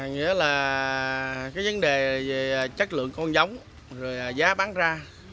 nghĩa là cái vấn đề về chất lượng con giống rồi giá bán ra